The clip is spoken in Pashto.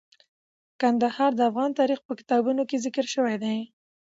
کندهار د افغان تاریخ په کتابونو کې ذکر شوی دی.